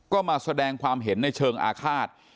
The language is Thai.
ก็มาแสดงความเห็นในเชิงอาฆาต